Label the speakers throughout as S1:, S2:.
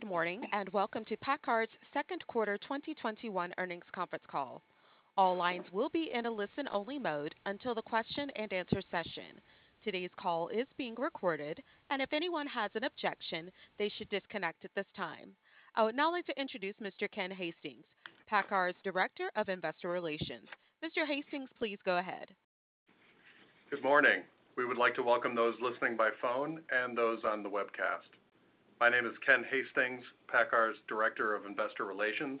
S1: Good morning, welcome to PACCAR's second quarter 2021 earnings conference call. All lines will be in a listen-only mode until the question and answer session. Today's call is being recorded, if anyone has an objection, they should disconnect at this time. I would now like to introduce Mr. Ken Hastings, PACCAR's Director of Investor Relations. Mr. Hastings, please go ahead.
S2: Good morning. We would like to welcome those listening by phone and those on the webcast. My name is Ken Hastings, PACCAR's Director of Investor Relations,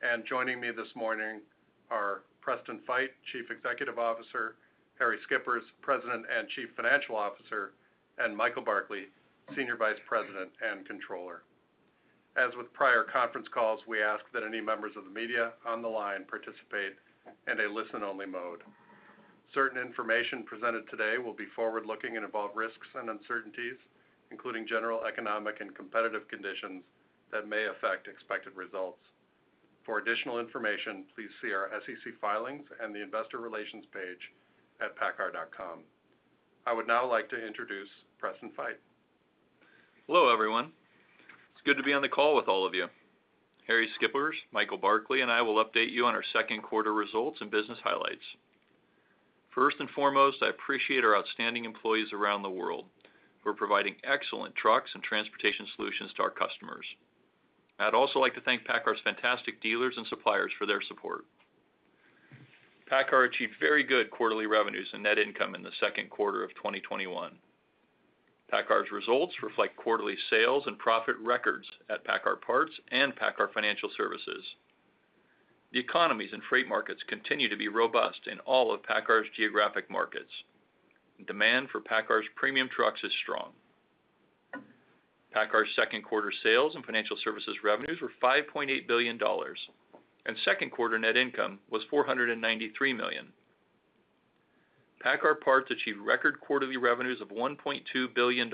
S2: and joining me this morning are Preston Feight, Chief Executive Officer, Harrie Schippers, President and Chief Financial Officer, and Michael Barkley, Senior Vice President and Controller. As with prior conference calls, we ask that any members of the media on the line participate in a listen-only mode. Certain information presented today will be forward-looking and involve risks and uncertainties, including general economic and competitive conditions that may affect expected results. For additional information, please see our SEC filings and the investor relations page at paccar.com. I would now like to introduce Preston Feight.
S3: Hello, everyone. It's good to be on the call with all of you. Harrie Schippers, Michael Barkley, and I will update you on our second quarter results and business highlights. First and foremost, I appreciate our outstanding employees around the world for providing excellent trucks and transportation solutions to our customers. I'd also like to thank PACCAR's fantastic dealers and suppliers for their support. PACCAR achieved very good quarterly revenues and net income in the second quarter of 2021. PACCAR's results reflect quarterly sales and profit records at PACCAR Parts and PACCAR Financial Services. The economies and freight markets continue to be robust in all of PACCAR's geographic markets. Demand for PACCAR's premium trucks is strong. PACCAR's second quarter sales and financial services revenues were $5.8 billion, and second quarter net income was $493 million. PACCAR Parts achieved record quarterly revenues of $1.2 billion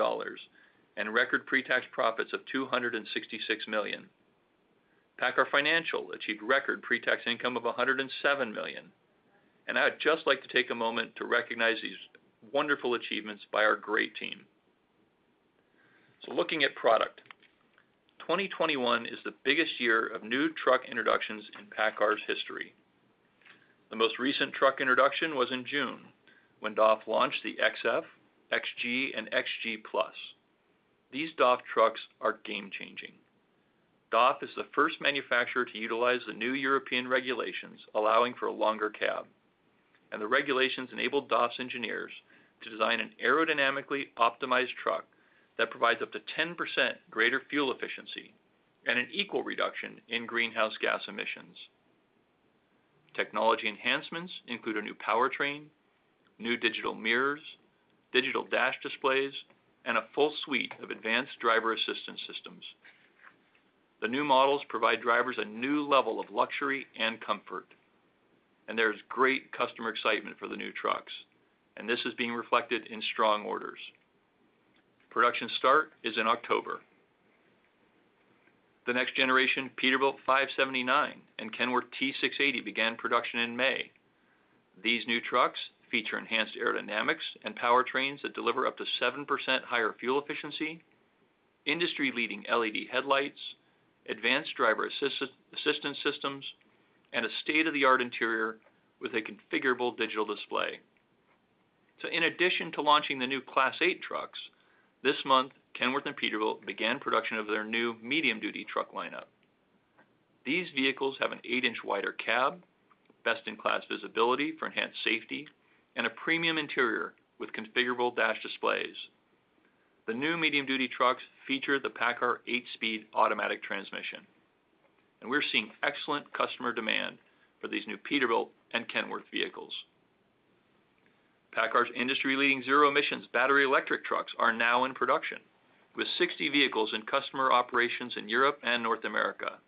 S3: and record pre-tax profits of $266 million. PACCAR Financial achieved record pre-tax income of $107 million. I'd just like to take a moment to recognize these wonderful achievements by our great team. Looking at product, 2021 is the biggest year of new truck introductions in PACCAR's history. The most recent truck introduction was in June when DAF launched the XF, XG, and XG+. These DAF trucks are game-changing. DAF is the first manufacturer to utilize the new European regulations allowing for a longer cab. The regulations enabled DAF's engineers to design an aerodynamically optimized truck that provides up to 10% greater fuel efficiency and an equal reduction in greenhouse gas emissions. Technology enhancements include a new powertrain, new digital mirrors, digital dash displays, and a full suite of advanced driver-assistance systems. The new models provide drivers a new level of luxury and comfort. There's great customer excitement for the new trucks. This is being reflected in strong orders. Production start is in October. The next generation Peterbilt 579 and Kenworth T680 began production in May. These new trucks feature enhanced aerodynamics and powertrains that deliver up to 7% higher fuel efficiency, industry-leading LED headlights, advanced driver-assistance systems, and a state-of-the-art interior with a configurable digital display. In addition to launching the new Class 8 trucks, this month Kenworth and Peterbilt began production of their new medium-duty truck lineup. These vehicles have an 8-inch wider cab, best-in-class visibility for enhanced safety, and a premium interior with configurable dash displays. The new medium-duty trucks feature the PACCAR 8-speed automatic transmission. We're seeing excellent customer demand for these new Peterbilt and Kenworth vehicles. PACCAR's industry-leading zero emissions battery electric trucks are now in production with 60 vehicles in customer operations in Europe and North America.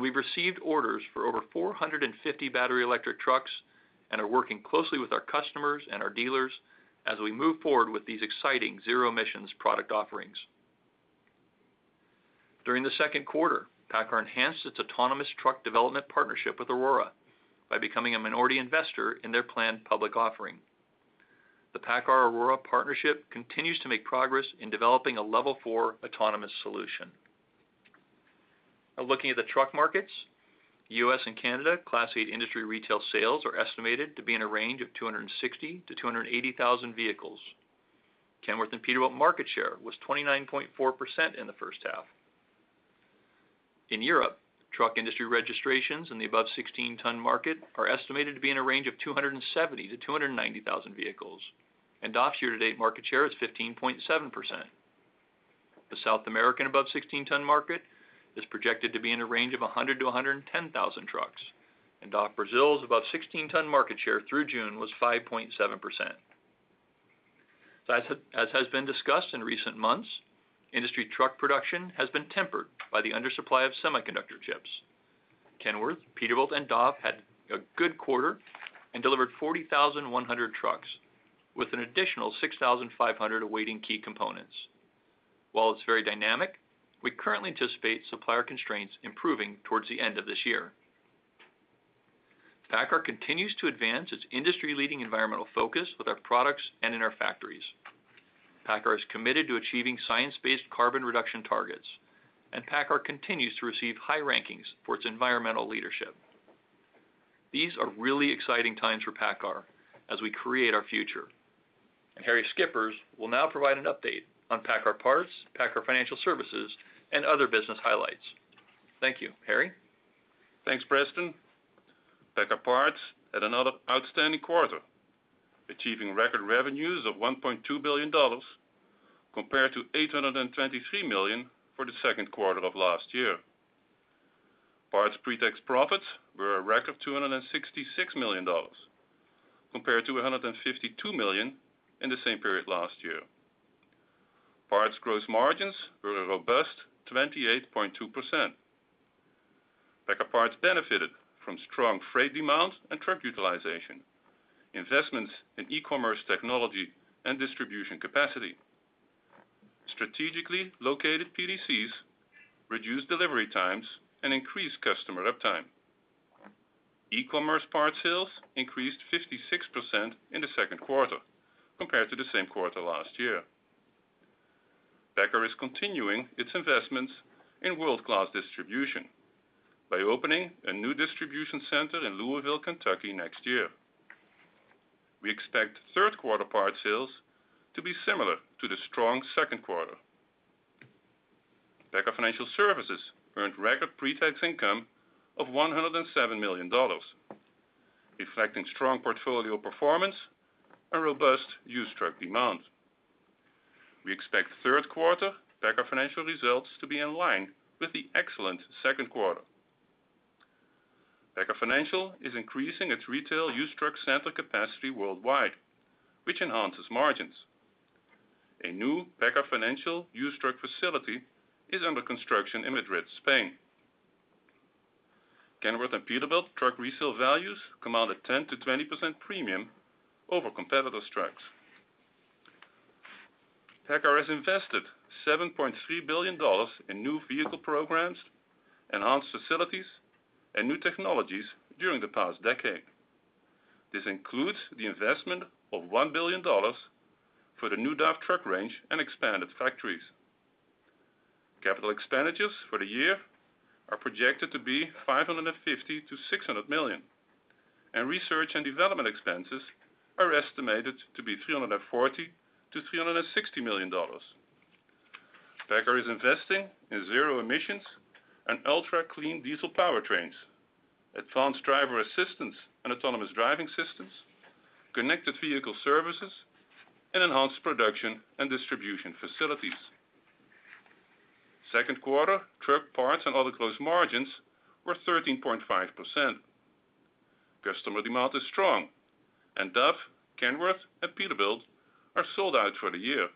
S3: We've received orders for over 450 battery electric trucks and are working closely with our customers and our dealers as we move forward with these exciting zero emissions product offerings. During the second quarter, PACCAR enhanced its autonomous truck development partnership with Aurora by becoming a minority investor in their planned public offering. The PACCAR-Aurora partnership continues to make progress in developing a Level 4 autonomous solution. Looking at the truck markets, US and Canada Class 8 industry retail sales are estimated to be in a range of 260,000 to 280,000 vehicles. Kenworth and Peterbilt market share was 29.4% in the first half. In Europe, truck industry registrations in the above 16-ton market are estimated to be in a range of 270,000-290,000 vehicles, and DAF's year-to-date market share is 15.7%. As has been discussed in recent months, industry truck production has been tempered by the undersupply of semiconductor chips. The South American above 16-ton market is projected to be in a range of 100,000-110,000 trucks, and DAF Brazil's above 16-ton market share through June was 5.7%. Kenworth, Peterbilt, and DAF had a good quarter and delivered 40,100 trucks with an additional 6,500 awaiting key components. While it's very dynamic, we currently anticipate supplier constraints improving towards the end of this year. PACCAR continues to advance its industry-leading environmental focus with our products and in our factories. PACCAR is committed to achieving science-based carbon reduction targets, and PACCAR continues to receive high rankings for its environmental leadership. These are really exciting times for PACCAR as we create our future. Harrie Schippers will now provide an update on PACCAR Parts, PACCAR Financial Services, and other business highlights. Thank you. Harrie?
S4: Thanks, Preston. PACCAR Parts had another outstanding quarter, achieving record revenues of $1.2 billion compared to $823 million for the second quarter of last year. Parts pre-tax profits were a record $266 million compared to $152 million in the same period last year. Parts gross margins were a robust 28.2%. PACCAR Parts benefited from strong freight demand and truck utilization, investments in e-commerce technology and distribution capacity. Strategically located PDCs reduced delivery times and increased customer uptime. e-commerce parts sales increased 56% in the second quarter compared to the same quarter last year. PACCAR is continuing its investments in world-class distribution by opening a new distribution center in Louisville, Kentucky, next year. We expect third quarter parts sales to be similar to the strong second quarter. PACCAR Financial Services earned record pretax income of $107 million, reflecting strong portfolio performance and robust used truck demand. We expect third quarter PACCAR Financial results to be in line with the excellent second quarter. PACCAR Financial is increasing its retail used truck center capacity worldwide, which enhances margins. A new PACCAR Financial used truck facility is under construction in Madrid, Spain. Kenworth and Peterbilt truck resale values command a 10%-20% premium over competitors' trucks. PACCAR has invested $7.3 billion in new vehicle programs, enhanced facilities, and new technologies during the past decade. This includes the investment of $1 billion for the new DAF truck range and expanded factories. Capital expenditures for the year are projected to be $550 million-$600 million, and research and development expenses are estimated to be $340 million-$360 million. PACCAR is investing in zero-emissions and ultra-clean diesel powertrains, advanced driver assistance and autonomous driving systems, connected vehicle services, and enhanced production and distribution facilities. Second quarter truck parts and other gross margins were 13.5%. Customer demand is strong, and DAF, Kenworth, and Peterbilt are sold out for the year.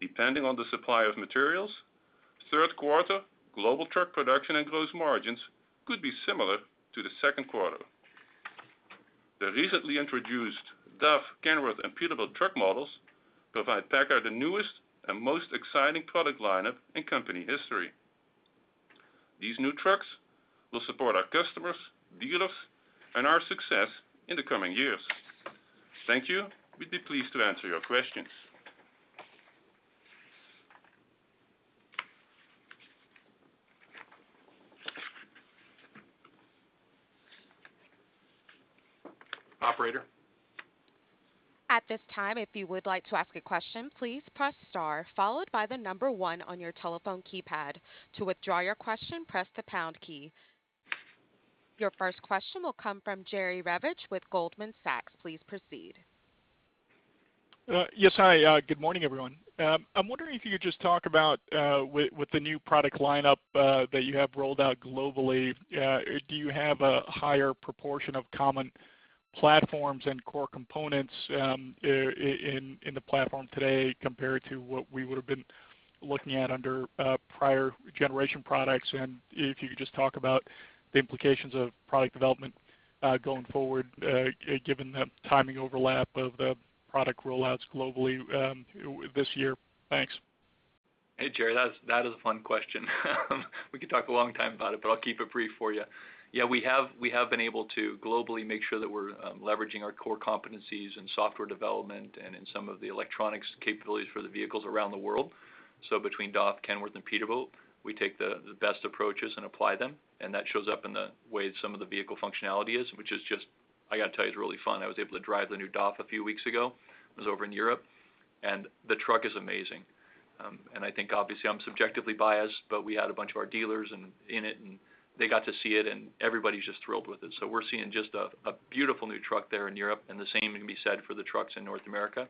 S4: Depending on the supply of materials, third quarter global truck production and gross margins could be similar to the second quarter. The recently introduced DAF, Kenworth, and Peterbilt truck models provide PACCAR the newest and most exciting product lineup in company history. These new trucks will support our customers, dealers, and our success in the coming years. Thank you. We'd be pleased to answer your questions.
S3: Operator.
S1: At this time, if you would like to ask a question, please press star followed by the number one on your telephone keypad. To withdraw your question, press the pound key. Your first question will come from Jerry Revich with Goldman Sachs. Please proceed.
S5: Yes. Hi. Good morning, everyone. I'm wondering if you could just talk about with the new product lineup that you have rolled out globally, do you have a higher proportion of common platforms and core components in the platform today compared to what we would've been looking at under prior generation products? If you could just talk about the implications of product development going forward given the timing overlap of the product rollouts globally this year. Thanks.
S3: Hey, Jerry. That is a fun question. We could talk a long time about it, but I'll keep it brief for you. Yeah, we have been able to globally make sure that we're leveraging our core competencies in software development and in some of the electronics capabilities for the vehicles around the world. Between DAF, Kenworth, and Peterbilt, we take the best approaches and apply them, and that shows up in the way some of the vehicle functionality is, which is just, I got to tell you, is really fun. I was able to drive the new DAF a few weeks ago. I was over in Europe, and the truck is amazing. I think obviously I'm subjectively biased, but we had a bunch of our dealers in it, and they got to see it, and everybody's just thrilled with it. We're seeing just a beautiful new truck there in Europe, and the same can be said for the trucks in North America.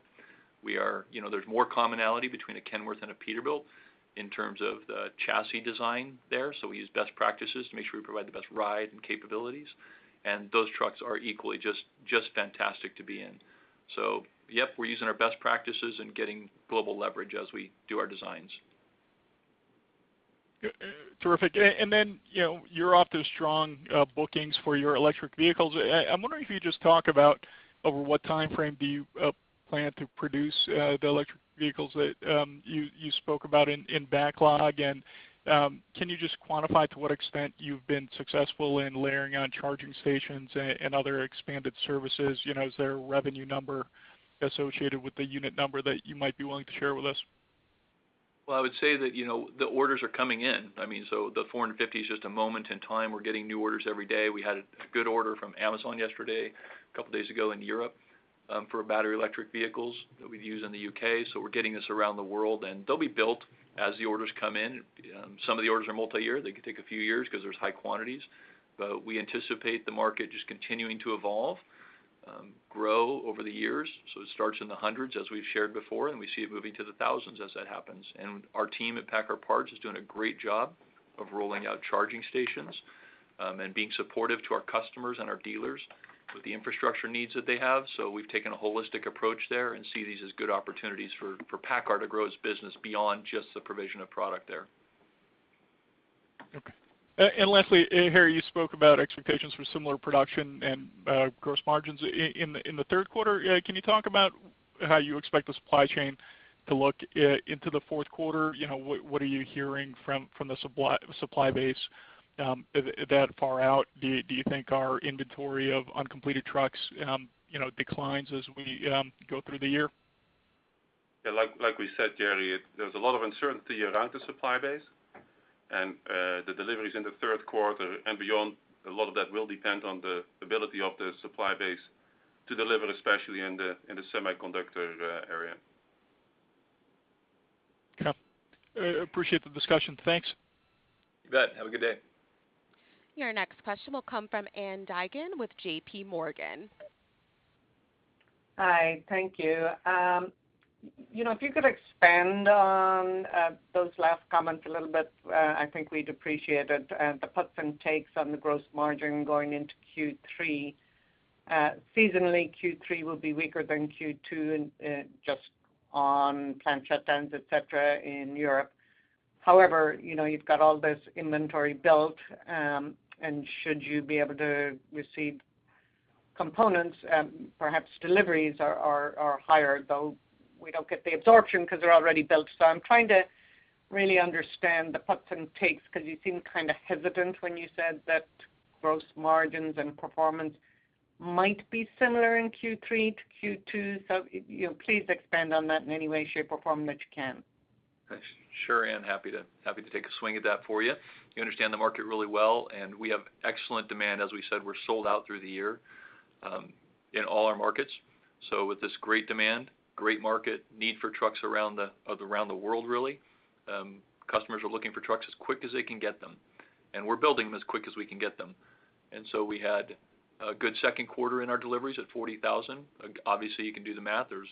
S3: There's more commonality between a Kenworth and a Peterbilt in terms of the chassis design there. We use best practices to make sure we provide the best ride and capabilities, and those trucks are equally just fantastic to be in. Yep, we're using our best practices and getting global leverage as we do our designs.
S5: Terrific. You're off to strong bookings for your electric vehicles. I'm wondering if you could just talk about over what timeframe do you plan to produce the electric vehicles that you spoke about in backlog. Can you just quantify to what extent you've been successful in layering on charging stations and other expanded services? Is there a revenue number associated with the unit number that you might be willing to share with us?
S3: I would say that the orders are coming in. The 450 is just a moment in time. We're getting new orders every day. We had a good order from Amazon yesterday, a couple of days ago in Europe, for battery electric vehicles that we'd use in the U.K. We're getting this around the world, and they'll be built as the orders come in. Some of the orders are multi-year. They could take a few years because there's high quantities. We anticipate the market just continuing to evolve, grow over the years. It starts in the hundreds, as we've shared before, and we see it moving to the thousands as that happens. Our team at PACCAR Parts is doing a great job of rolling out charging stations, and being supportive to our customers and our dealers with the infrastructure needs that they have. We've taken a holistic approach there and see these as good opportunities for PACCAR to grow its business beyond just the provision of product there.
S5: Okay. Lastly, Harrie, you spoke about expectations for similar production and gross margins in the third quarter. Can you talk about how you expect the supply chain to look into the fourth quarter? What are you hearing from the supply base that far out? Do you think our inventory of uncompleted trucks declines as we go through the year?
S4: Like we said, Jerry, there's a lot of uncertainty around the supply base and the deliveries in the third quarter and beyond. A lot of that will depend on the ability of the supply base to deliver, especially in the semiconductor area.
S5: Okay. Appreciate the discussion. Thanks.
S3: You bet. Have a good day.
S1: Your next question will come from Ann Duignan with JPMorgan.
S6: Hi. Thank you. If you could expand on those last comments a little bit, I think we'd appreciate it. The puts and takes on the gross margin going into Q3. Seasonally, Q3 will be weaker than Q2 just on plant shutdowns, et cetera, in Europe. However, you've got all this inventory built, and should you be able to receive components, perhaps deliveries are higher, though we don't get the absorption because they're already built. I'm trying to really understand the puts and takes, because you seemed kind of hesitant when you said that gross margins and performance might be similar in Q3-Q2. Please expand on that in any way, shape, or form that you can.
S3: Sure, Ann, happy to take a swing at that for you. You understand the market really well, and we have excellent demand. As we said, we're sold out through the year in all our markets. With this great demand, great market need for trucks around the world really, customers are looking for trucks as quick as they can get them, and we're building them as quick as we can get them. We had a good second quarter in our deliveries at 40,000. Obviously, you can do the math. There's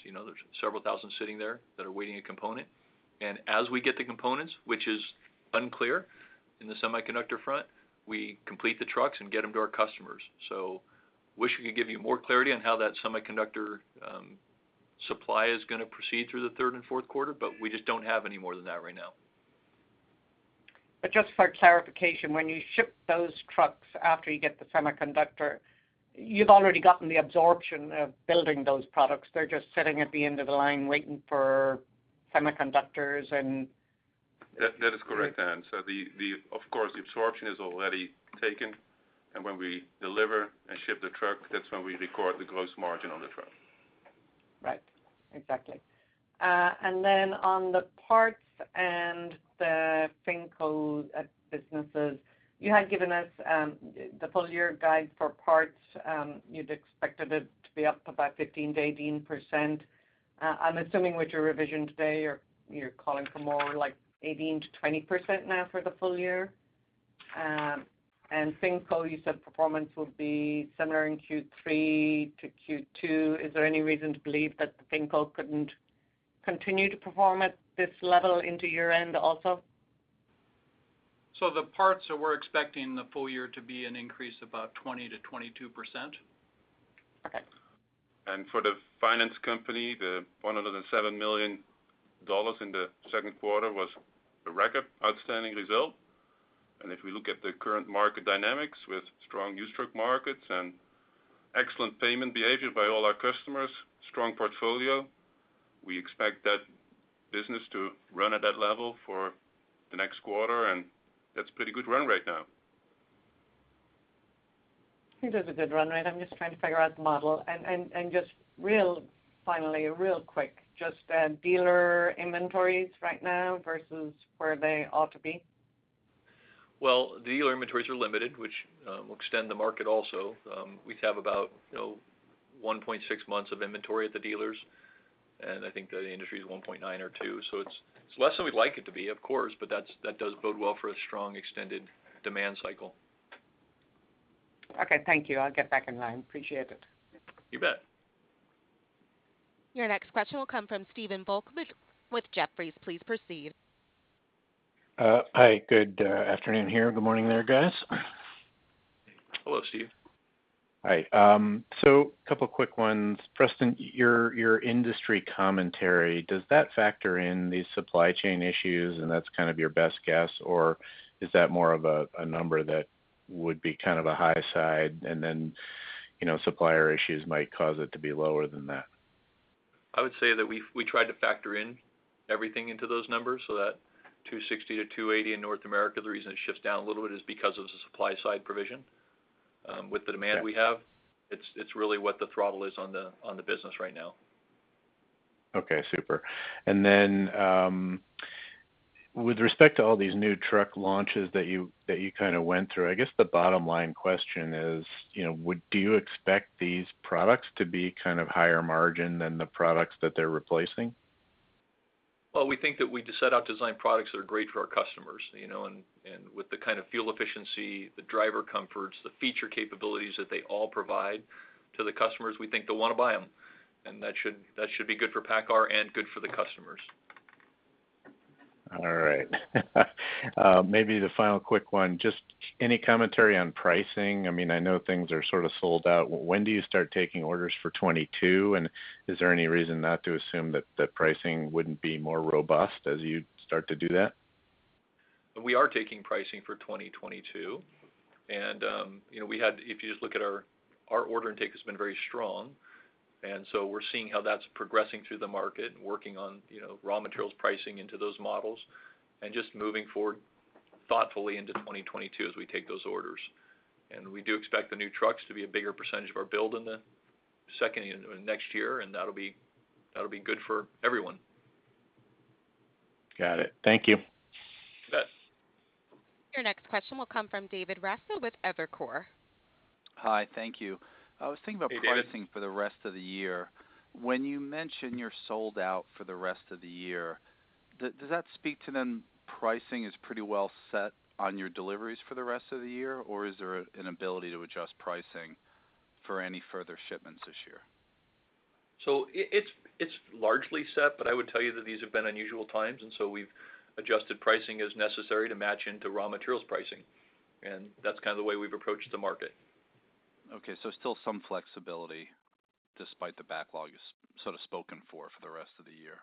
S3: several thousand sitting there that are awaiting a component. As we get the components, which is unclear in the semiconductor front, we complete the trucks and get them to our customers. Wish we could give you more clarity on how that semiconductor supply is going to proceed through the third and fourth quarter, but we just don't have any more than that right now.
S6: Just for clarification, when you ship those trucks after you get the semiconductor, you've already gotten the absorption of building those products. They're just sitting at the end of the line waiting for semiconductors.
S4: That is correct, Ann. Of course, the absorption is already taken, and when we deliver and ship the truck, that's when we record the gross margin on the truck.
S6: Right. Exactly. On the parts and the FinCo businesses, you had given us the full year guide for parts. You'd expected it to be up about 15%-18%. I'm assuming with your revision today, you're calling for more like 18%-20% now for the full year. FinCo, you said performance will be similar in Q3-Q2. Is there any reason to believe that FinCo couldn't continue to perform at this level into year-end also?
S3: The parts that we're expecting the full year to be an increase about 20%-22%.
S6: Okay.
S4: For the finance company, the $107 million in the second quarter was a record outstanding result. If we look at the current market dynamics with strong used truck markets and excellent payment behavior by all our customers, strong portfolio. We expect that business to run at that level for the next quarter, and that's a pretty good run rate now.
S6: It is a good run rate. I'm just trying to figure out the model. Just finally, real quick, just dealer inventories right now versus where they ought to be?
S3: Well, dealer inventories are limited, which will extend the market also. We have about 1.6 months of inventory at the dealers, and I think the industry is 1.9 or 2. It's less than we'd like it to be, of course, but that does bode well for a strong extended demand cycle.
S6: Okay. Thank you. I'll get back in line. Appreciate it.
S3: You bet.
S1: Your next question will come from Stephen Volkmann with Jefferies. Please proceed.
S7: Hi, good afternoon here. Good morning there, guys.
S3: Hello, Stephen.
S7: Hi. A couple of quick ones. Preston, your industry commentary, does that factor in these supply chain issues, and that's kind of your best guess? Is that more of a number that would be a high side and then supplier issues might cause it to be lower than that?
S3: I would say that we tried to factor in everything into those numbers. That $260-$280 in North America, the reason it shifts down a little bit is because of the supply side provision. With the demand we have, it's really what the throttle is on the business right now.
S7: Okay, super. Then with respect to all these new truck launches that you kind of went through, I guess the bottom line question is, do you expect these products to be kind of higher margin than the products that they're replacing?
S3: Well, we think that we set out to design products that are great for our customers. With the kind of fuel efficiency, the driver comforts, the feature capabilities that they all provide to the customers, we think they'll want to buy them. That should be good for PACCAR and good for the customers.
S7: All right. Maybe the final quick one, just any commentary on pricing? I know things are sort of sold out. When do you start taking orders for 2022? Is there any reason not to assume that pricing wouldn't be more robust as you start to do that?
S3: We are taking pricing for 2022. If you just look at our order intake has been very strong. We're seeing how that's progressing through the market and working on raw materials pricing into those models and just moving forward thoughtfully into 2022 as we take those orders. We do expect the new trucks to be a bigger % of our build in the second half of next year, and that'll be good for everyone.
S7: Got it. Thank you.
S3: You bet.
S1: Your next question will come from David Raso with Evercore.
S8: Hi. Thank you.
S3: Hey, David.
S8: Pricing for the rest of the year. When you mention you're sold out for the rest of the year, does that speak to then pricing is pretty well set on your deliveries for the rest of the year? Is there an ability to adjust pricing for any further shipments this year?
S3: It's largely set, but I would tell you that these have been unusual times, and so we've adjusted pricing as necessary to match into raw materials pricing. That's kind of the way we've approached the market.
S8: Okay, still some flexibility despite the backlog is sort of spoken for the rest of the year.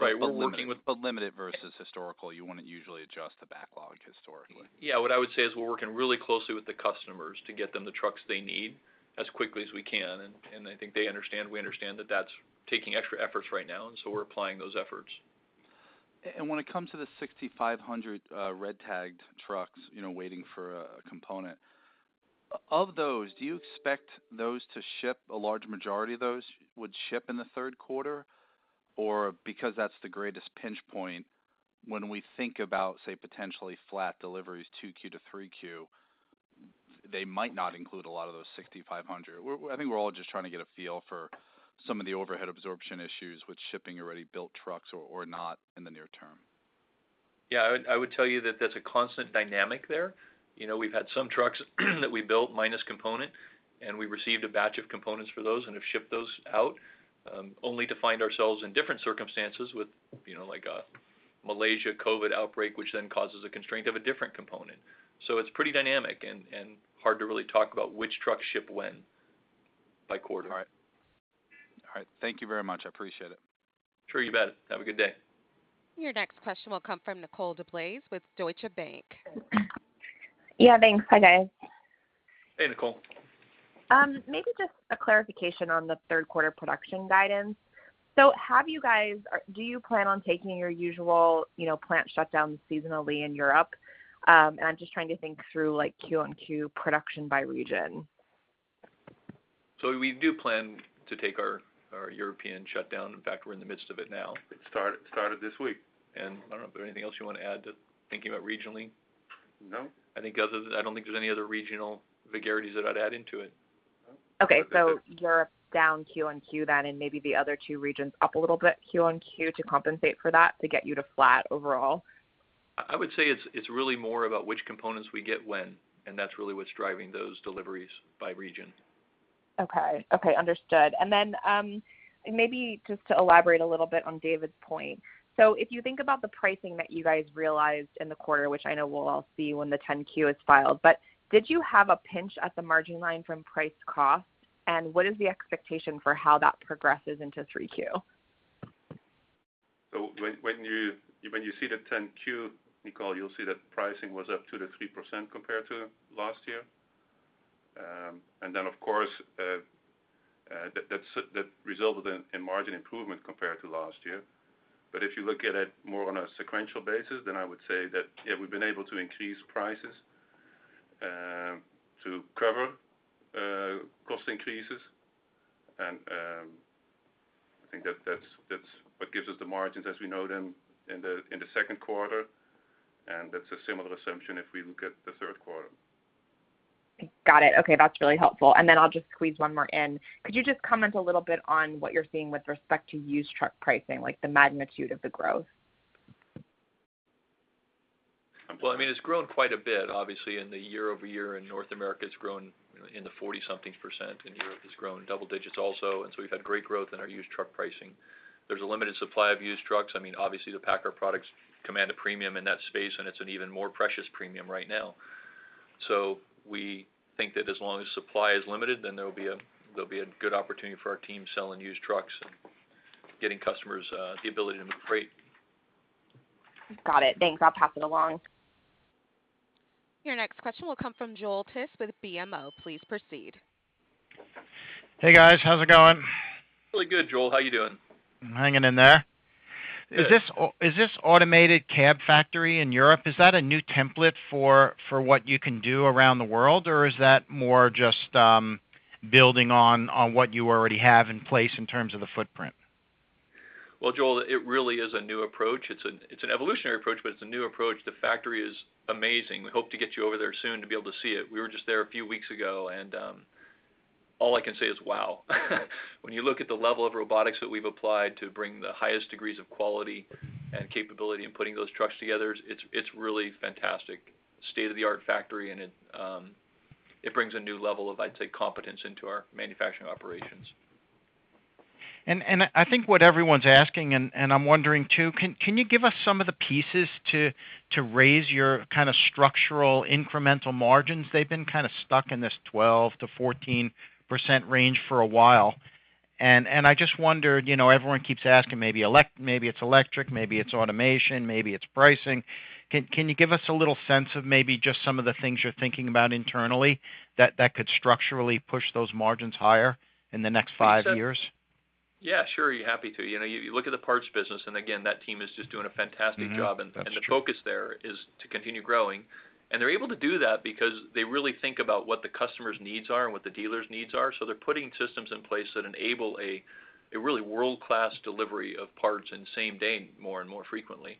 S3: Right.
S8: Limited versus historical, you wouldn't usually adjust the backlog historically.
S3: Yeah, what I would say is we're working really closely with the customers to get them the trucks they need as quickly as we can. I think they understand, we understand that that's taking extra efforts right now. We're applying those efforts.
S8: When it comes to the 6,500 red-tagged trucks waiting for a component, of those, do you expect those to ship, a large majority of those would ship in the third quarter? Because that's the greatest pinch point when we think about, say, potentially flat deliveries 2Q-3Q, they might not include a lot of those 6,500. I think we're all just trying to get a feel for some of the overhead absorption issues with shipping already built trucks or not in the near term.
S3: Yeah, I would tell you that there's a constant dynamic there. We've had some trucks that we built minus component, and we received a batch of components for those and have shipped those out, only to find ourselves in different circumstances with a Malaysia COVID outbreak, which then causes a constraint of a different component. It's pretty dynamic and hard to really talk about which trucks ship when by quarter.
S8: All right. Thank you very much. I appreciate it.
S3: Sure, you bet. Have a good day.
S1: Your next question will come from Nicole DeBlase with Deutsche Bank.
S9: Yeah, thanks. Hi, guys.
S3: Hey, Nicole.
S9: Maybe just a clarification on the third quarter production guidance. Do you plan on taking your usual plant shutdown seasonally in Europe? I'm just trying to think through like QoQ production by region.
S3: We do plan to take our European shutdown. In fact, we're in the midst of it now.
S4: It started this week.
S3: I don't know if there's anything else you want to add to thinking about regionally?
S4: No.
S3: I don't think there's any other regional vagaries that I'd add into it.
S4: No.
S9: Okay. Europe's down QoQ then, maybe the other two regions up a little bit QoQ to compensate for that to get you to flat overall?
S3: I would say it's really more about which components we get when, and that's really what's driving those deliveries by region.
S9: Okay. Understood. Maybe just to elaborate a little bit on David's point. If you think about the pricing that you guys realized in the quarter, which I know we'll all see when the 10-Q is filed, did you have a pinch at the margin line from price cost? What is the expectation for how that progresses into 3Q?
S4: When you see the 10-Q, Nicole, you'll see that pricing was up 2%-3% compared to last year. Of course, that resulted in margin improvement compared to last year. If you look at it more on a sequential basis, then I would say that, yeah, we've been able to increase prices to cover cost increases. I think that's what gives us the margins as we know them in the second quarter, and that's a similar assumption if we look at the third quarter.
S9: Got it. Okay, that's really helpful. I'll just squeeze one more in. Could you just comment a little bit on what you're seeing with respect to used truck pricing, like the magnitude of the growth?
S3: Well, it's grown quite a bit, obviously, and the year-over-year in North America has grown in the 40%-something, and Europe has grown double-digits also. We've had great growth in our used truck pricing. There's a limited supply of used trucks. Obviously, the PACCAR products command a premium in that space, and it's an even more precious premium right now. We think that as long as supply is limited, then there'll be a good opportunity for our team selling used trucks and getting customers the ability to move freight.
S9: Got it. Thanks, I'll pass it along.
S1: Your next question will come from Joel Tiss with BMO. Please proceed.
S10: Hey, guys. How's it going?
S3: Really good, Joel. How you doing?
S10: I'm hanging in there.
S3: Good.
S10: Is this automated cab factory in Europe, is that a new template for what you can do around the world? Or is that more just building on what you already have in place in terms of the footprint?
S3: Well, Joel, it really is a new approach. It's an evolutionary approach, but it's a new approach. The factory is amazing. We hope to get you over there soon to be able to see it. We were just there a few weeks ago, and all I can say is, "Wow." When you look at the level of robotics that we've applied to bring the highest degrees of quality and capability in putting those trucks together, it's really fantastic. State-of-the-art factory, and it brings a new level of, I'd say, competence into our manufacturing operations.
S10: I think what everyone's asking, and I'm wondering, too, can you give us some of the pieces to raise your structural incremental margins? They've been stuck in this 12%-14% range for a while, and I just wondered, everyone keeps asking, maybe it's electric, maybe it's automation, maybe it's pricing. Can you give us a little sense of maybe just some of the things you're thinking about internally that could structurally push those margins higher in the next five years?
S3: Yeah, sure. Happy to. You look at the parts business, and again, that team is just doing a fantastic job.
S10: That's true.
S3: The focus there is to continue growing. They're able to do that because they really think about what the customer's needs are and what the dealer's needs are. They're putting systems in place that enable a really world-class delivery of parts and same day more and more frequently.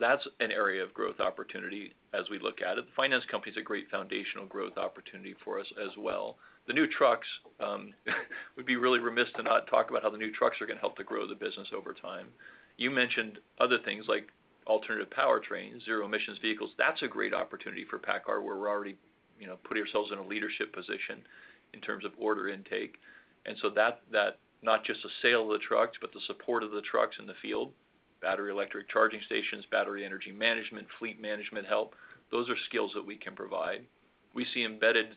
S3: That's an area of growth opportunity as we look at it. The finance company's a great foundational growth opportunity for us as well. We'd be really remiss to not talk about how the new trucks are going to help to grow the business over time. You mentioned other things like alternative powertrains, zero emissions vehicles. That's a great opportunity for PACCAR, where we're already putting ourselves in a leadership position in terms of order intake. That, not just the sale of the trucks, but the support of the trucks in the field, battery, electric charging stations, battery energy management, fleet management help, those are skills that we can provide. We see embedded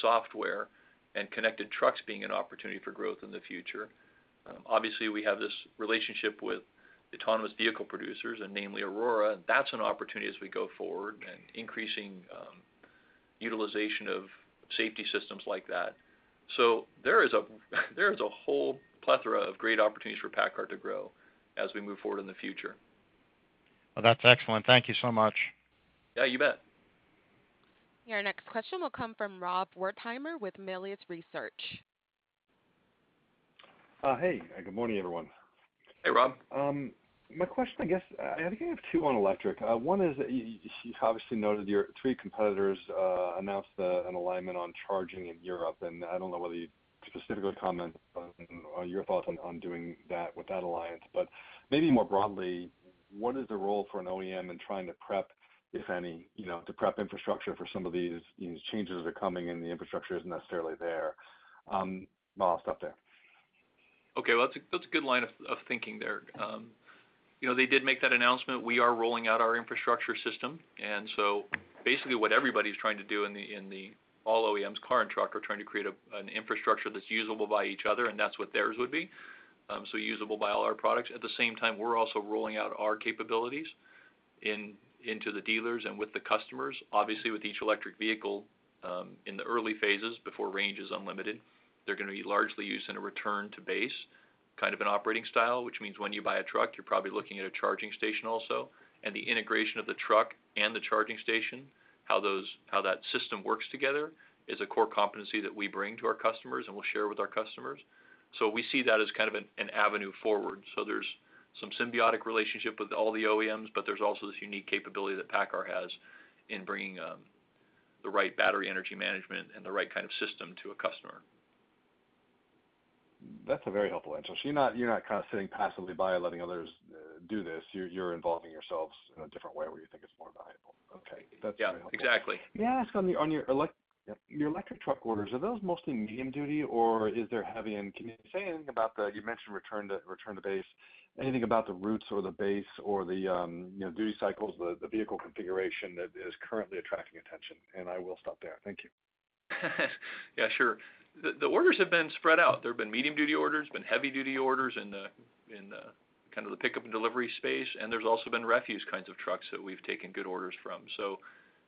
S3: software and connected trucks being an opportunity for growth in the future. Obviously, we have this relationship with autonomous vehicle producers, and namely Aurora. That's an opportunity as we go forward and increasing utilization of safety systems like that. There is a whole plethora of great opportunities for PACCAR to grow as we move forward in the future.
S10: Well, that's excellent. Thank you so much.
S3: Yeah, you bet.
S1: Your next question will come from Rob Wertheimer with Melius Research.
S11: Hey. Good morning, everyone.
S3: Hey, Rob.
S11: My question, I guess I think I have 2 on electric. One is, you obviously noted your 3 competitors announced an alignment on charging in Europe. I don't know whether you'd specifically comment on your thoughts on doing that with that alliance. Maybe more broadly, what is the role for an OEM in trying to prep, if any, the prep infrastructure for some of these changes that are coming, and the infrastructure isn't necessarily there. Well, I'll stop there.
S3: Okay. Well, that's a good line of thinking there. They did make that announcement. We are rolling out our infrastructure system. Basically, what everybody's trying to do, all OEMs, car and truck, are trying to create an infrastructure that's usable by each other, and that's what theirs would be. Usable by all our products. At the same time, we're also rolling out our capabilities into the dealers and with the customers. Obviously, with each electric vehicle, in the early phases before range is unlimited, they're going to be largely used in a return to base kind of an operating style, which means when you buy a truck, you're probably looking at a charging station also. The integration of the truck and the charging station, how that system works together, is a core competency that we bring to our customers and we'll share with our customers. We see that as kind of an avenue forward. There's some symbiotic relationship with all the OEMs, but there's also this unique capability that PACCAR has in bringing the right battery energy management and the right kind of system to a customer.
S11: That's a very helpful answer. You're not kind of sitting passively by letting others do this. You're involving yourselves in a different way where you think it's more valuable. Okay. That's very helpful.
S3: Yeah, exactly.
S11: May I ask on your electric truck orders, are those mostly medium-duty, or is there heavy? Can you say anything about the, you mentioned return to base, anything about the routes or the base or the duty cycles, the vehicle configuration that is currently attracting attention? I will stop there. Thank you.
S3: Yeah, sure. The orders have been spread out. There have been medium-duty orders, been heavy-duty orders in the pickup and delivery space, and there's also been refuse kinds of trucks that we've taken good orders from.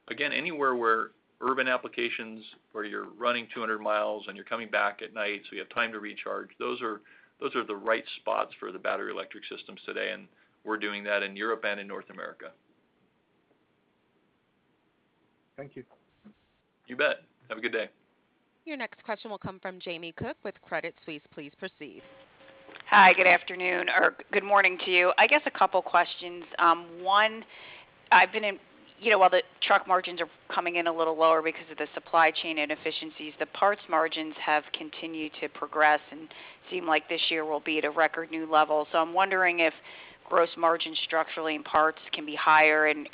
S3: Again, anywhere where urban applications, where you're running 200 miles, and you're coming back at night, so you have time to recharge, those are the right spots for the battery electric systems today, and we're doing that in Europe and in North America.
S11: Thank you.
S3: You bet. Have a good day.
S1: Your next question will come from Jamie Cook with Credit Suisse. Please proceed.
S12: Hi, good afternoon, or good morning to you. I guess a couple questions. One, while the truck margins are coming in a little lower because of the supply chain inefficiencies, the parts margins have continued to progress and seem like this year will be at a record new level. I'm wondering if gross margin structurally in parts can be higher, and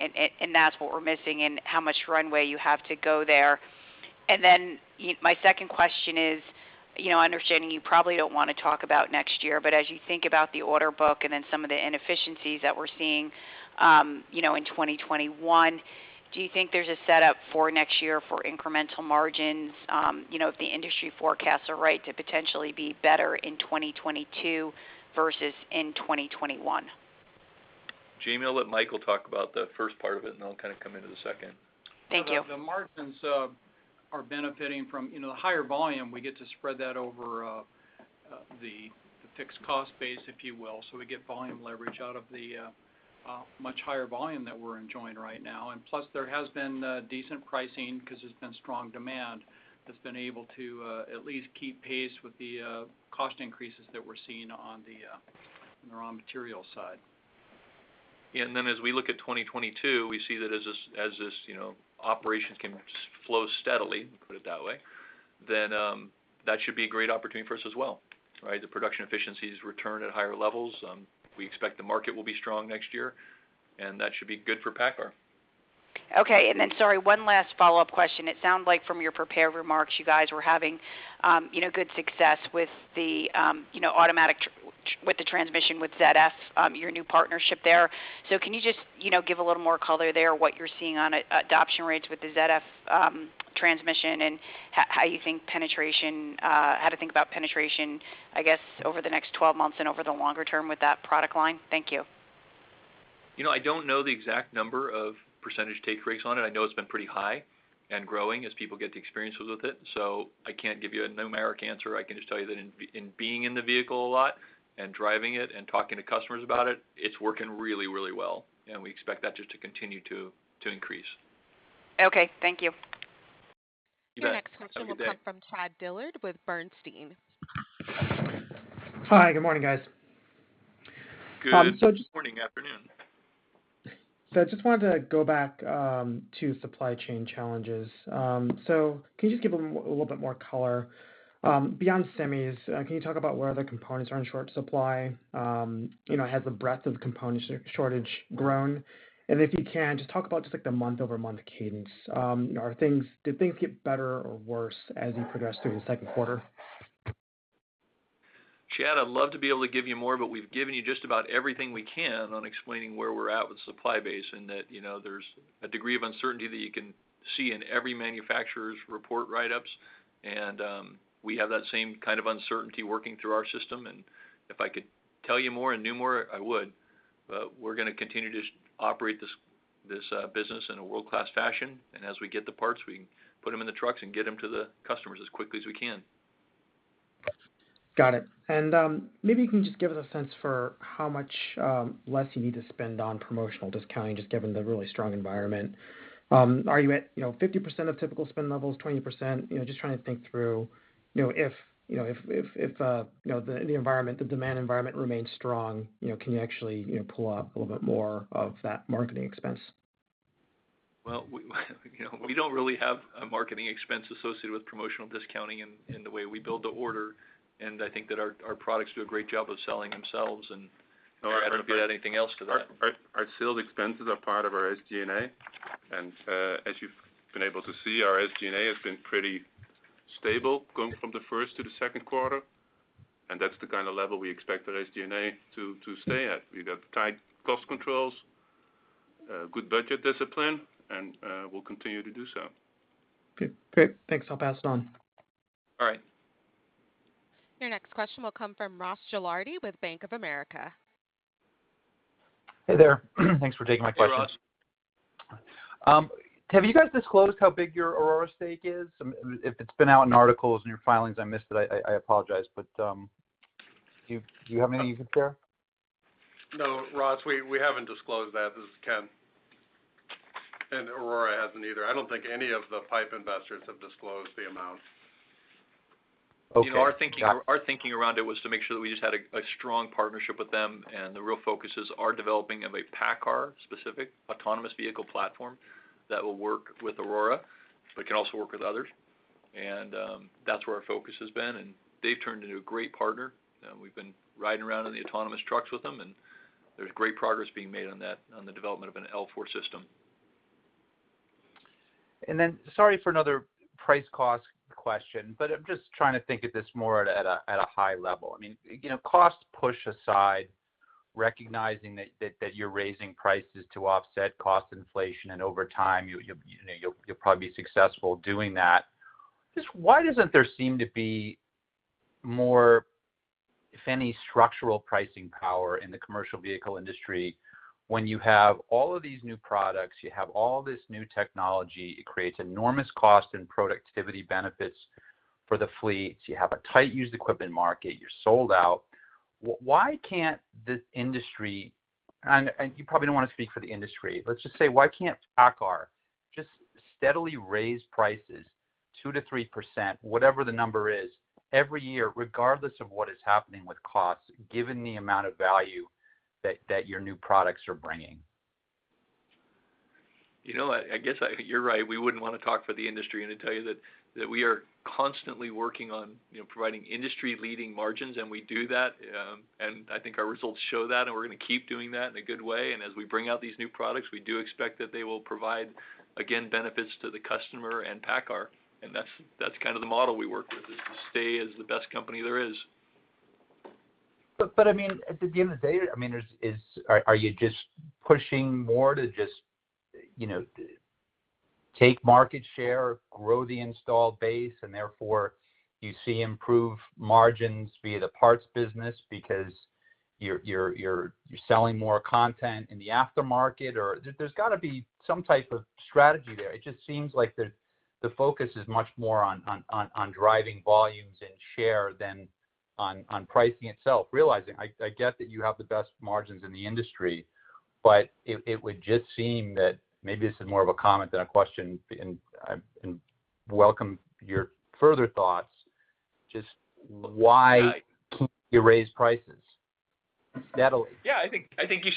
S12: that's what we're missing, and how much runway you have to go there. My second question is, understanding you probably don't want to talk about next year, but as you think about the order book and then some of the inefficiencies that we're seeing in 2021, do you think there's a setup for next year for incremental margins? If the industry forecasts are right to potentially be better in 2022 versus in 2021.
S3: Jamie, I'll let Michael talk about the first part of it, and then I'll kind of come into the second.
S12: Thank you.
S13: The margins are benefiting from the higher volume. We get to spread that over the fixed cost base, if you will. We get volume leverage out of the much higher volume that we're enjoying right now. Plus, there has been decent pricing because there's been strong demand that's been able to at least keep pace with the cost increases that we're seeing on the raw material side.
S3: Yeah, as we look at 2022, we see that as this operation can flow steadily, put it that way, that should be a great opportunity for us as well, right? The production efficiencies return at higher levels. We expect the market will be strong next year, that should be good for PACCAR.
S12: Okay. Sorry, one last follow-up question. It sounds like from your prepared remarks, you guys were having good success with the transmission with ZF, your new partnership there. Can you just give a little more color there, what you're seeing on adoption rates with the ZF transmission and how to think about penetration, I guess, over the next 12 months and over the longer term with that product line? Thank you.
S3: I don't know the exact number of percentage take rates on it. I know it's been pretty high and growing as people get the experiences with it. I can't give you a numeric answer. I can just tell you that in being in the vehicle a lot and driving it and talking to customers about it's working really well, and we expect that just to continue to increase.
S12: Okay. Thank you.
S3: You bet.
S1: Your next question will come from Chad Dillard with Bernstein.
S14: Hi. Good morning, guys.
S3: Good morning, afternoon.
S14: I just wanted to go back to supply chain challenges. Can you just give a little bit more color? Beyond semis, can you talk about what other components are in short supply? Has the breadth of the component shortage grown? If you can, just talk about just like the month-over-month cadence. Did things get better or worse as you progressed through the second quarter?
S3: Chad, I'd love to be able to give you more, but we've given you just about everything we can on explaining where we're at with supply base, and that there's a degree of uncertainty that you can see in every manufacturer's report write-ups. We have that same kind of uncertainty working through our system. If I could tell you more and knew more, I would. We're going to continue to operate this business in a world-class fashion. As we get the parts, we can put them in the trucks and get them to the customers as quickly as we can.
S14: Got it. Maybe you can just give us a sense for how much less you need to spend on promotional discounting, just given the really strong environment. Are you at 50% of typical spend levels, 20%? Just trying to think through if the demand environment remains strong, can you actually pull out a little bit more of that marketing expense?
S3: Well, we don't really have a marketing expense associated with promotional discounting in the way we build the order, and I think that our products do a great job of selling themselves and I don't need to add anything else to that.
S13: Our sales expenses are part of our SG&A, and as you've been able to see, our SG&A has been pretty stable going from the first to the second quarter, and that's the kind of level we expect our SG&A to stay at. We've got tight cost controls, good budget discipline, and we'll continue to do so.
S14: Good. Great. Thanks. I'll pass it on.
S3: All right.
S1: Your next question will come from Ross Gilardi with Bank of America.
S15: Hey there. Thanks for taking my question.
S3: Hey, Ross.
S15: Have you guys disclosed how big your Aurora stake is? If it's been out in articles, in your filings, I missed it, I apologize. Do you have anything you could share?
S2: No, Ross, we haven't disclosed that. This is Ken. Aurora hasn't either. I don't think any of the PIPE investors have disclosed the amount.
S15: Okay. Got it.
S3: Our thinking around it was to make sure that we just had a strong partnership with them. The real focus is our developing of a PACCAR-specific autonomous vehicle platform that will work with Aurora, but can also work with others. That's where our focus has been, and they've turned into a great partner. We've been riding around in the autonomous trucks with them, and there's great progress being made on the development of an L4 system.
S15: Sorry for another price-cost question, but I'm just trying to think of this more at a high level. Cost push aside, recognizing that you're raising prices to offset cost inflation, and over time you'll probably be successful doing that. Just why doesn't there seem to be more, if any, structural pricing power in the commercial vehicle industry when you have all of these new products, you have all this new technology, it creates enormous cost and productivity benefits for the fleets. You have a tight used equipment market. You're sold out. Why can't this industry, and you probably don't want to speak for the industry. Let's just say, why can't PACCAR just steadily raise prices 2%-3%, whatever the number is, every year, regardless of what is happening with costs, given the amount of value that your new products are bringing?
S3: I guess you're right. We wouldn't want to talk for the industry and tell you that we are constantly working on providing industry-leading margins, and we do that, and I think our results show that, and we're going to keep doing that in a good way. As we bring out these new products, we do expect that they will provide, again, benefits to the customer and PACCAR. That's kind of the model we work with, is to stay as the best company there is.
S15: At the end of the day, are you just pushing more to just take market share, grow the installed base, and therefore you see improved margins via the parts business because you're selling more content in the aftermarket? There's got to be some type of strategy there. It just seems like the focus is much more on driving volumes and share than on pricing itself. Realizing, I get that you have the best margins in the industry, it would just seem that maybe this is more of a comment than a question, and welcome your further thoughts, just why can't you raise prices? Preston?
S3: Yeah, I think you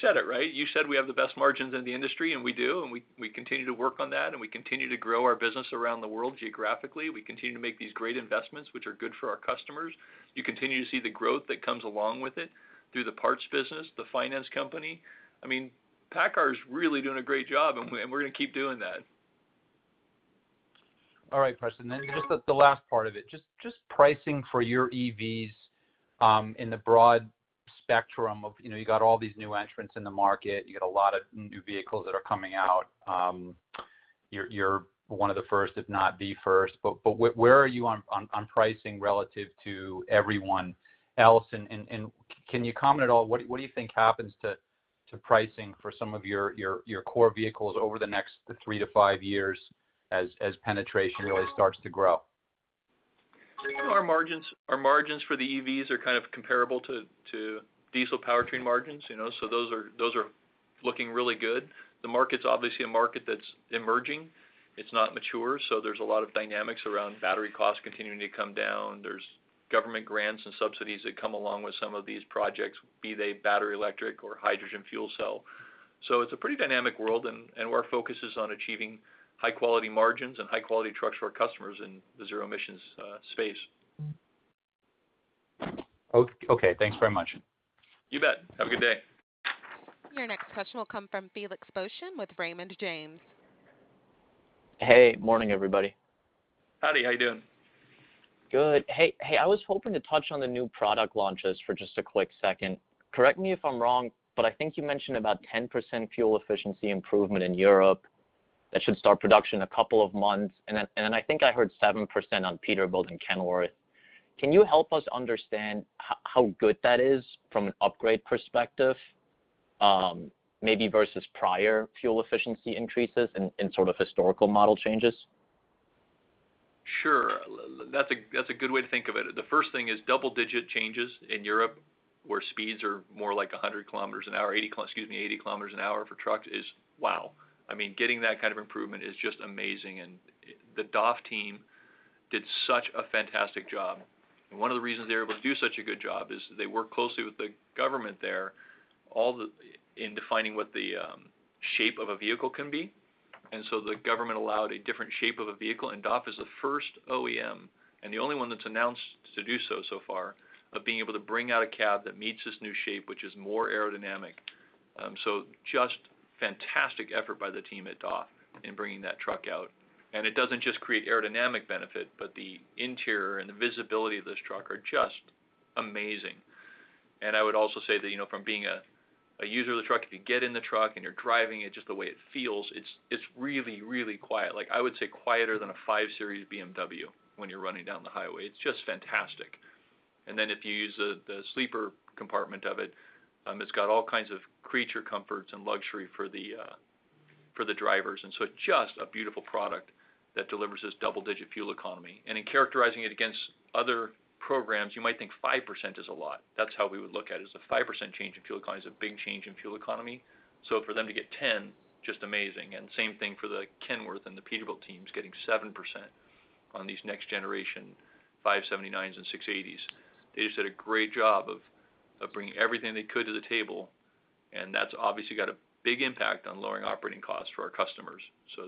S3: said it. You said we have the best margins in the industry, and we do, and we continue to work on that, and we continue to grow our business around the world geographically. We continue to make these great investments, which are good for our customers. You continue to see the growth that comes along with it through the PACCAR Parts business, the PACCAR financial company. PACCAR is really doing a great job, and we're going to keep doing that.
S15: All right, Preston, just the last part of it, just pricing for your EVs in the broad spectrum of you got all these new entrants in the market, you got a lot of new vehicles that are coming out. You're one of the first, if not the first, where are you on pricing relative to everyone else? Can you comment at all, what do you think happens to pricing for some of your core vehicles over the next three to five years as penetration really starts to grow?
S3: I think our margins for the EVs are kind of comparable to diesel powertrain margins. Those are looking really good. The market's obviously a market that's emerging. It's not mature, there's a lot of dynamics around battery costs continuing to come down. There's government grants and subsidies that come along with some of these projects, be they battery electric or hydrogen fuel cell. It's a pretty dynamic world, and our focus is on achieving high-quality margins and high-quality trucks for our customers in the zero emissions space.
S15: Okay. Thanks very much.
S3: You bet. Have a good day.
S1: Your next question will come from Felix Boeschen with Raymond James.
S16: Hey, morning, everybody.
S3: Howdy. How you doing?
S16: Good. Hey, I was hoping to touch on the new product launches for just a quick second. Correct me if I'm wrong, but I think you mentioned about 10% fuel efficiency improvement in Europe that should start production in a couple of months. I think I heard 7% on Peterbilt and Kenworth. Can you help us understand how good that is from an upgrade perspective? Maybe versus prior fuel efficiency increases and sort of historical model changes?
S3: Sure. That's a good way to think of it. The first thing is double-digit changes in Europe, where speeds are more like 100 km an hour, excuse me, 80 km an hour for trucks is wow. Getting that kind of improvement is just amazing, and the DAF team did such a fantastic job. One of the reasons they're able to do such a good job is they work closely with the government there in defining what the shape of a vehicle can be. The government allowed a different shape of a vehicle, and DAF is the first OEM, and the only one that's announced to do so far, of being able to bring out a cab that meets this new shape, which is more aerodynamic. Just fantastic effort by the team at DAF in bringing that truck out. It doesn't just create aerodynamic benefit, but the interior and the visibility of this truck are just amazing. I would also say that from being a user of the truck, if you get in the truck and you're driving it, just the way it feels, it's really, really quiet. I would say quieter than a 5 Series BMW when you're running down the highway. It's just fantastic. Then if you use the sleeper compartment of it's got all kinds of creature comforts and luxury for the drivers. So it's just a beautiful product that delivers this double-digit fuel economy. In characterizing it against other programs, you might think 5% is a lot. That's how we would look at it, is a 5% change in fuel economy is a big change in fuel economy. For them to get 10, just amazing. Same thing for the Kenworth and the Peterbilt teams getting 7% on these next generation 579s and 680s. They just did a great job of bringing everything they could to the table, and that's obviously got a big impact on lowering operating costs for our customers.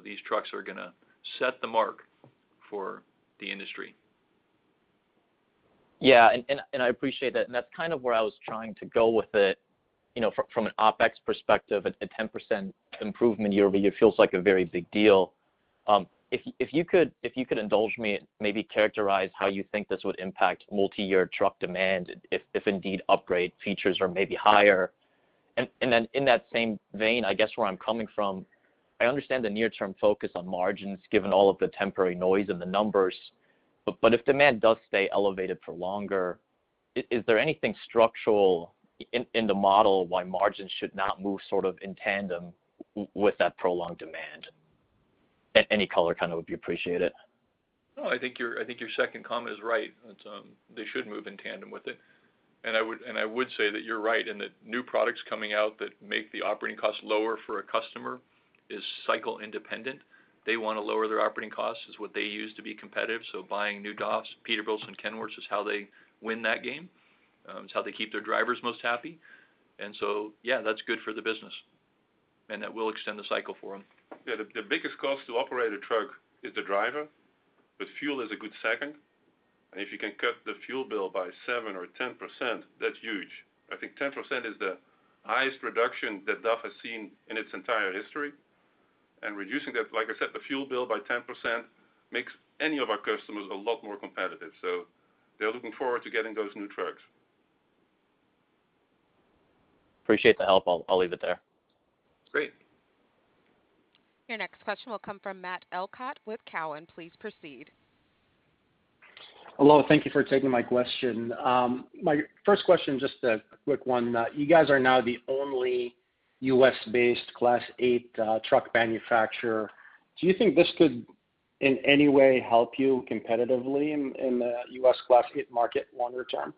S3: These trucks are going to set the mark for the industry.
S16: Yeah, I appreciate that. That's kind of where I was trying to go with it. From an OpEx perspective, a 10% improvement year-over-year feels like a very big deal. If you could indulge me, maybe characterize how you think this would impact multi-year truck demand if indeed upgrade features are maybe higher. Then in that same vein, I guess where I'm coming from, I understand the near-term focus on margins given all of the temporary noise in the numbers, but if demand does stay elevated for longer, is there anything structural in the model why margins should not move sort of in tandem with that prolonged demand? Any color kind of would be appreciated.
S3: No, I think your second comment is right. They should move in tandem with it. I would say that you're right in that new products coming out that make the operating cost lower for a customer is cycle independent. They want to lower their operating costs. It's what they use to be competitive, so buying new DAFs, Peterbilts, and Kenworths is how they win that game. It's how they keep their drivers most happy. Yeah, that's good for the business, and that will extend the cycle for them.
S4: Yeah, the biggest cost to operate a truck is the driver, but fuel is a good second. If you can cut the fuel bill by 7% or 10%, that's huge. I think 10% is the highest reduction that DAF has seen in its entire history. Reducing that, like I said, the fuel bill by 10% makes any of our customers a lot more competitive. They're looking forward to getting those new trucks.
S16: Appreciate the help. I'll leave it there.
S4: Great.
S1: Your next question will come from Matt Elkott with Cowen. Please proceed.
S17: Hello. Thank you for taking my question. My first question, just a quick one. You guys are now the only U.S.-based Class 8 truck manufacturer. Do you think this could, in any way, help you competitively in the U.S. Class 8 market longer term?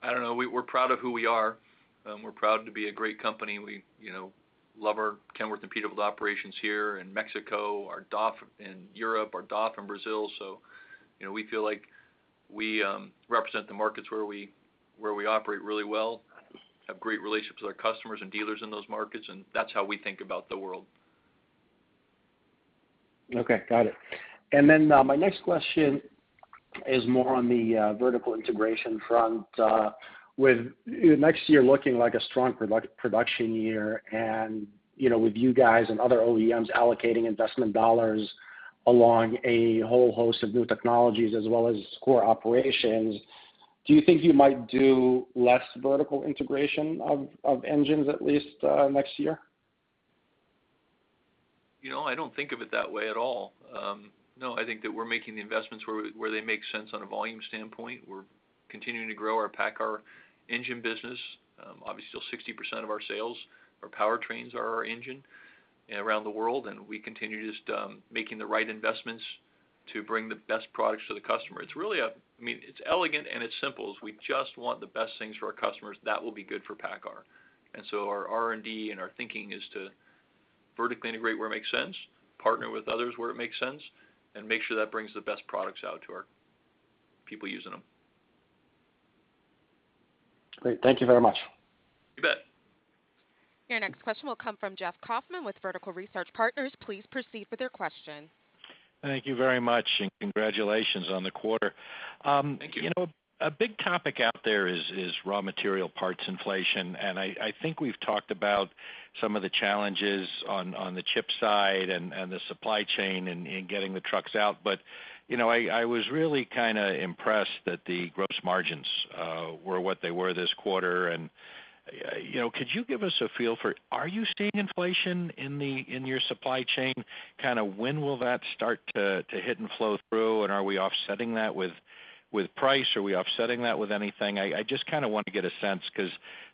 S3: I don't know. We're proud of who we are. We're proud to be a great company. We love our Kenworth and Peterbilt operations here in Mexico, our DAF in Europe, our DAF in Brazil. We feel like we represent the markets where we operate really well, have great relationships with our customers and dealers in those markets, and that's how we think about the world.
S17: Okay. Got it. My next question is more on the vertical integration front. With next year looking like a strong production year, and with you guys and other OEMs allocating investment dollars along a whole host of new technologies as well as core operations, do you think you might do less vertical integration of engines at least next year?
S3: I don't think of it that way at all. No, I think that we're making the investments where they make sense on a volume standpoint. We're continuing to grow our PACCAR engine business. Obviously, still 60% of our sales or powertrains are our engine around the world. We continue just making the right investments to bring the best products to the customer. It's elegant and it's simple is we just want the best things for our customers, that will be good for PACCAR. Our R&D and our thinking is to vertically integrate where it makes sense, partner with others where it makes sense, and make sure that brings the best products out to our people using them.
S17: Great. Thank you very much.
S3: You bet.
S1: Your next question will come from Jeff Kauffman with Vertical Research Partners. Please proceed with your question.
S18: Thank you very much. Congratulations on the quarter.
S3: Thank you.
S18: A big topic out there is raw material parts inflation. I think we've talked about some of the challenges on the chip side and the supply chain in getting the trucks out. I was really kind of impressed that the gross margins were what they were this quarter. Could you give us a feel for, are you seeing inflation in your supply chain? Kind of when will that start to hit and flow through? Are we offsetting that with price? Are we offsetting that with anything? I just kind of want to get a sense because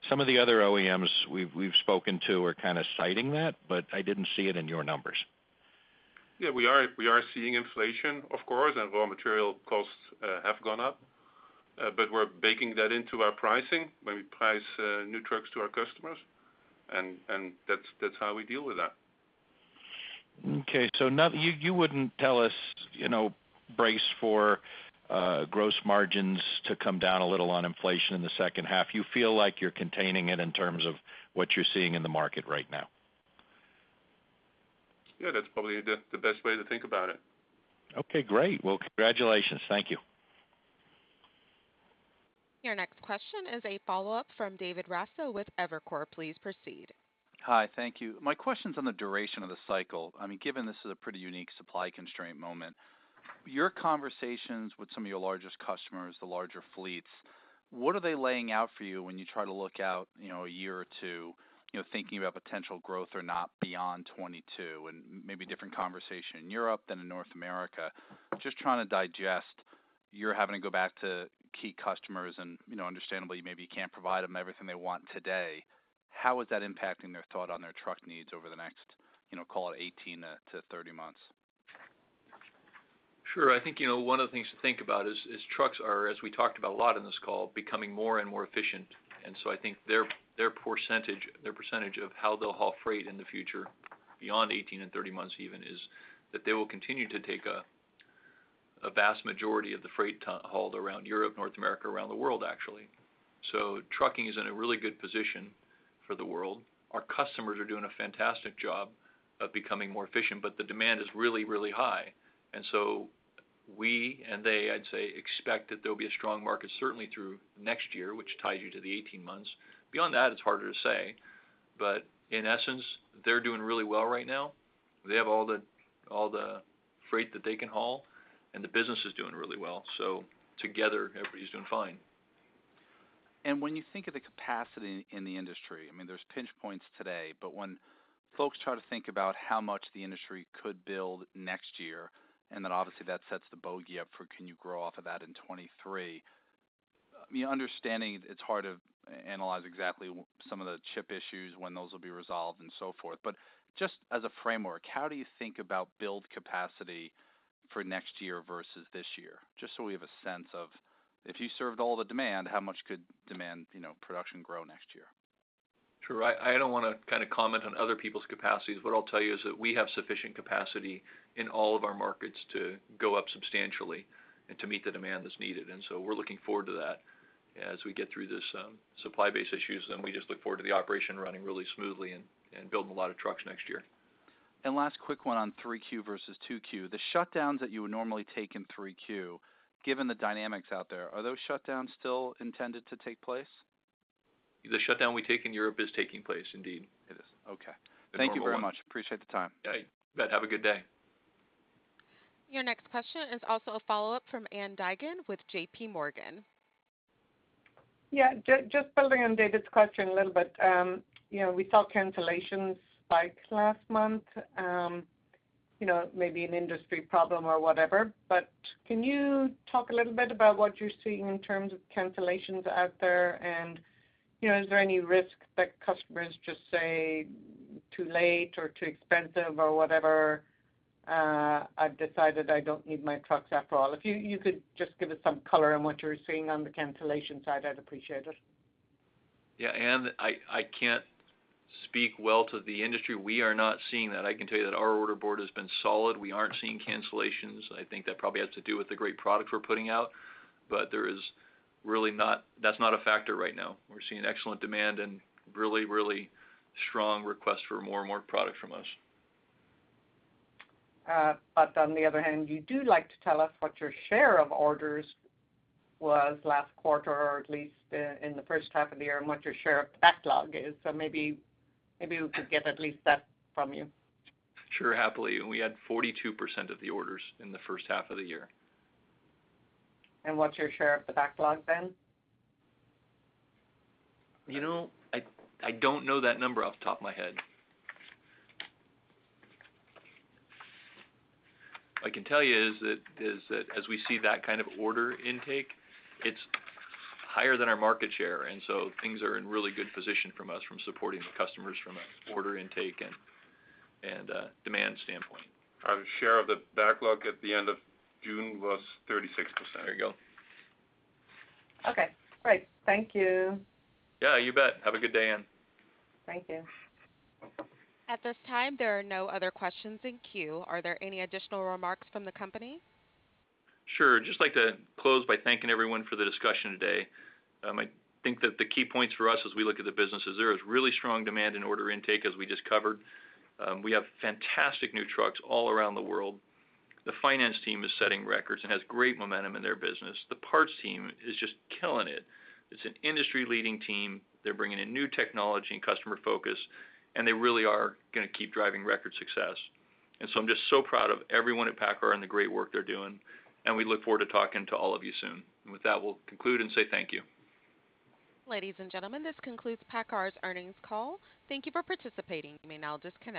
S18: some of the other OEMs we've spoken to are kind of citing that. I didn't see it in your numbers.
S4: Yeah, we are seeing inflation, of course, and raw material costs have gone up. We're baking that into our pricing when we price new trucks to our customers, and that's how we deal with that.
S18: Okay. You wouldn't tell us, brace for gross margins to come down a little on inflation in the second half. You feel like you're containing it in terms of what you're seeing in the market right now?
S4: Yeah, that's probably the best way to think about it.
S18: Okay, great. Well, congratulations. Thank you.
S1: Your next question is a follow-up from David Raso with Evercore. Please proceed.
S8: Hi. Thank you. My question's on the duration of the cycle. Given this is a pretty unique supply constraint moment, your conversations with some of your largest customers, the larger fleets, what are they laying out for you when you try to look out a year or two, thinking about potential growth or not beyond 2022, and maybe a different conversation in Europe than in North America. Just trying to digest, you're having to go back to key customers and understandably maybe you can't provide them everything they want today. How is that impacting their thought on their truck needs over the next, call it 18-30 months?
S3: Sure. I think one of the things to think about is trucks are, as we talked about a lot in this call, becoming more and more efficient. I think their percentage of how they'll haul freight in the future, beyond 18 and 30 months even, is that they will continue to take a vast majority of the freight hauled around Europe, North America, around the world, actually. Trucking is in a really good position for the world. Our customers are doing a fantastic job of becoming more efficient, but the demand is really, really high. We, and they, I'd say, expect that there'll be a strong market certainly through next year, which ties you to the 18 months. Beyond that, it's harder to say. In essence, they're doing really well right now. They have all the freight that they can haul, and the business is doing really well. Together, everybody's doing fine.
S8: When you think of the capacity in the industry, there's pinch points today, but when folks try to think about how much the industry could build next year, then obviously that sets the bogey up for can you grow off of that in 2023? Understanding it's hard to analyze exactly some of the chip issues, when those will be resolved and so forth. Just as a framework, how do you think about build capacity for next year versus this year? Just so we have a sense of if you served all the demand, how much could production grow next year?
S3: Sure. I don't want to comment on other people's capacities. What I'll tell you is that we have sufficient capacity in all of our markets to go up substantially and to meet the demand that's needed. We're looking forward to that as we get through this supply base issues, then we just look forward to the operation running really smoothly and building a lot of trucks next year.
S8: Last quick one on 3Q versus 2Q. The shutdowns that you would normally take in 3Q, given the dynamics out there, are those shutdowns still intended to take place?
S3: The shutdown we take in Europe is taking place indeed. It is. Okay. Thank you very much. Appreciate the time. Yeah, you bet. Have a good day.
S1: Your next question is also a follow-up from Ann Duignan with JPMorgan.
S6: Yeah, just building on David's question a little bit. We saw cancellations spike last month, maybe an industry problem or whatever. Can you talk a little bit about what you're seeing in terms of cancellations out there, and is there any risk that customers just say, "Too late," or, "Too expensive," or whatever, "I've decided I don't need my trucks after all." If you could just give us some color on what you're seeing on the cancellation side, I'd appreciate it.
S3: Yeah, Ann, I can't speak well to the industry. We are not seeing that. I can tell you that our order board has been solid. We aren't seeing cancellations. I think that probably has to do with the great product we're putting out, but that's not a factor right now. We're seeing excellent demand and really, really strong requests for more and more product from us.
S6: On the other hand, you do like to tell us what your share of orders was last quarter, or at least in the first half of the year, and what your share of backlog is. Maybe we could get at least that from you.
S3: Sure, happily. We had 42% of the orders in the first half of the year.
S6: What's your share of the backlog then?
S3: I don't know that number off the top of my head. I can tell you is that as we see that kind of order intake, it's higher than our market share, and so things are in a really good position from us from supporting the customers from an order intake and demand standpoint. Our share of the backlog at the end of June was 36%. There you go.
S6: Okay, great. Thank you.
S3: Yeah, you bet. Have a good day, Ann.
S6: Thank you.
S1: At this time, there are no other questions in queue. Are there any additional remarks from the company?
S3: Sure. Just like to close by thanking everyone for the discussion today. I think that the key points for us as we look at the business is there is really strong demand in order intake, as we just covered. We have fantastic new trucks all around the world. The Finance team is setting records and has great momentum in their business. The Parts team is just killing it. It's an industry-leading team. They really are going to keep driving record success. I'm just so proud of everyone at PACCAR and the great work they're doing, and we look forward to talking to all of you soon. With that, we'll conclude and say thank you.
S1: Ladies and gentlemen, this concludes PACCAR's earnings call. Thank you for participating. You may now disconnect.